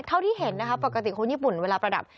เท่าที่เห็นนะคะปกติคนญี่ปุ่นเวลาประดับ